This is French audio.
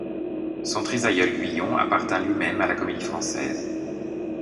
Son trisaïeul Guyon appartint lui-même à la Comédie-Française.